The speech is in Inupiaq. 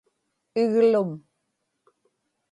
iglum